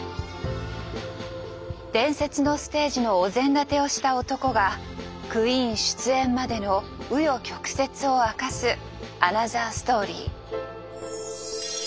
伝説のステージのお膳立てをした男がクイーン出演までの紆余曲折を明かすアナザーストーリー。